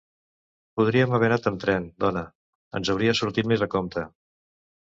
Podríem haver anat amb tren, dona... ens hauria sortit més a compte!